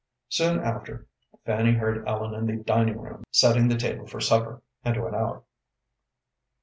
Soon after Fanny heard Ellen in the dining room setting the table for supper, and went out.